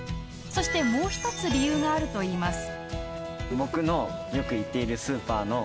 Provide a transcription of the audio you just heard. そしてもう１つ理由があるといいます。